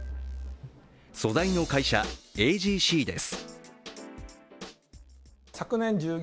素材の会社、ＡＧＣです。